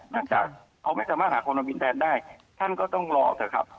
หลังจากเขาไม่สามารถหาคนมาบินแทนได้ท่านก็ต้องรอเถอะครับ